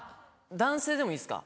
男性でもいいですか？